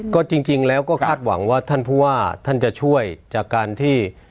ก็จริงแล้วก็คาดหวังว่าท่านผู้ว่าท่านจะช่วยจากการที่